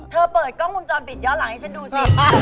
เปิดกล้องวงจรปิดย้อนหลังให้ฉันดูสิ